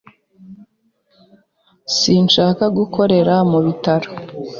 Sinshaka gukorera mu bitaro